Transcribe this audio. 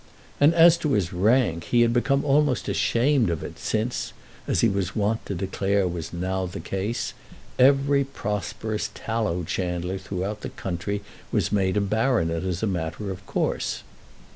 And as to his rank, he had almost become ashamed of it, since, as he was wont to declare was now the case, every prosperous tallow chandler throughout the country was made a baronet as a matter of course.